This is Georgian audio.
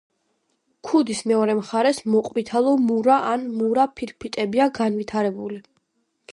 ქუდის მეორე მხარეს მოყვითალო-მურა ან მურა ფირფიტებია განვითარებული.